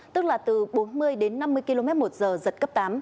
tức là từ bốn mươi đến năm mươi km một giờ giật cấp tám